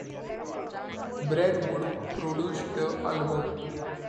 Brad Wood produced the album.